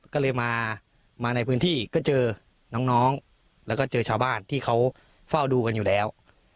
ก็เลยมาในพื้นที่ก็เจอน้องแล้วก็เจอชาวบ้านที่เขาเฝ้าดูกันอยู่แล้ว